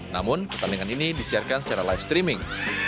namun pertandingan ini disiarkan secara live streaming